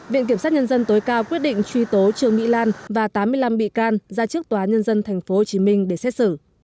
viện kiểm sát nhân dân tối cao quyết định truy tố trương mỹ lan và tám mươi năm bị can ra trước tòa nhân dân tp hcm để xét xử